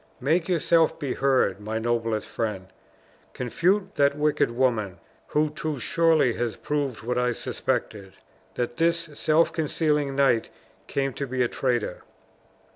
Make yourself be heard, my noblest friend! Confute that wicked woman, who too surely has proved what I suspected that this self concealing knight came to be a traitor."